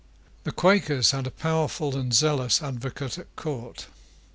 The Quakers had a powerful and zealous advocate at court.